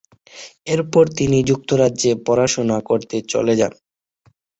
এরপর তিনি যুক্তরাজ্যে পড়াশোনা করতে চলে যান।